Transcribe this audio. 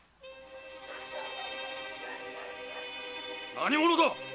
何者だ⁉